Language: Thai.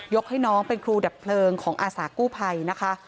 ให้น้องเป็นครูดับเพลิงของอาสากู้ภัยนะคะ